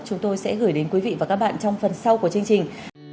chúng tôi sẽ gửi đến quý vị và các bạn trong phần sau của chương trình